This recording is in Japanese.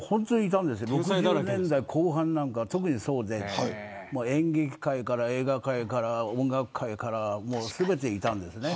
６０年代後半なんか特にそうで演劇界から映画界から音楽界から全て、いたんですね。